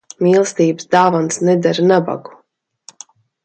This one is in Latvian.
Mīlestības dāvanas nedara nabagu.